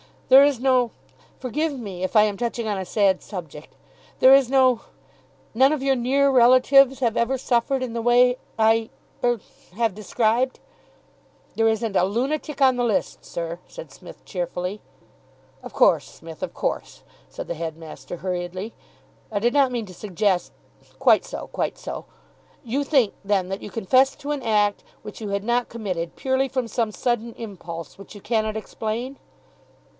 "There is no forgive me if I am touching on a sad subject there is no none of your near relatives have ever suffered in the way I er have described?" "There isn't a lunatic on the list, sir," said Psmith cheerfully. "Of course, Smith, of course," said the headmaster hurriedly, "I did not mean to suggest quite so, quite so.... You think, then, that you confessed to an act which you had not committed purely from some sudden impulse which you cannot explain?"